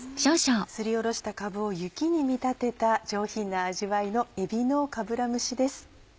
すりおろしたかぶを雪に見立てた上品な味わいのえびのかぶら蒸しです。